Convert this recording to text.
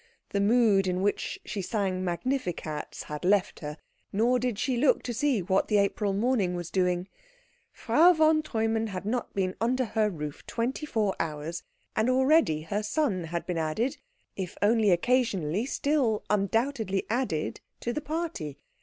The mood in which she sang magnificats had left her, nor did she look to see what the April morning was doing. Frau von Treumann had not been under her roof twenty four hours, and already her son had been added if only occasionally, still undoubtedly added to the party.